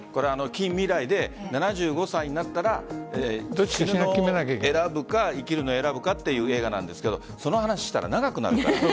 近未来で７５歳になったら死を選ぶか生きるのを選ぶかという映画ですがその話をしたら長くなるから。